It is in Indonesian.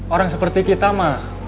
orang seperti kita mah